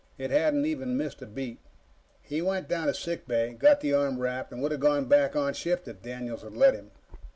It hadn't even missed a beat. He went down to sick bay, got the arm wrapped, and would have gone back on shift if Daniels'd let him.